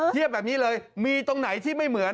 เทียบแบบนี้เลยมีตรงไหนที่ไม่เหมือน